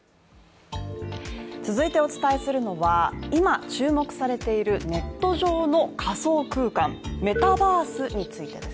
続いてお伝えするのは、今、注目されているネット上の仮想空間メタバースについてです。